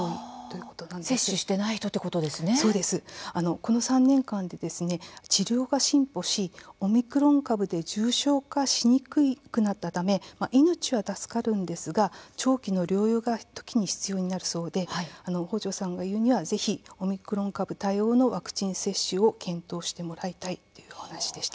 この３年間で治療法が進歩しオミクロン株で重症化しにくくなったため命は助かるんですが長期の療養が時に必要になるそうで放生さんが言うにはぜひ、オミクロン株対応のワクチン接種を検討してもらいたいという話でした。